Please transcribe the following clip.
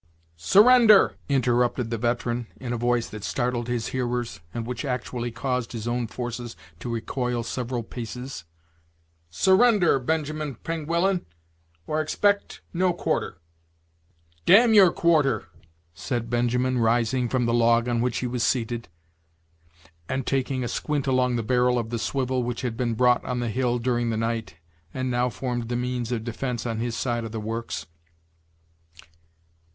"Surrender!" interrupted the veteran, in a voice that startled his hearers, and which actually caused his own forces to recoil several paces; "surrender, Benjamin Pengullan, or expect no quarter.'" "Damn your quarter!" said Benjamin, rising from the log on which he was seated, and taking a squint along the barrel of the swivel, which had been brought on the hill during the night, and now formed the means of defence on his side of the works.